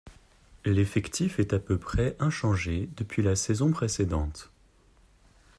L'effectif est à peu près inchangé depuis la saisons précédente.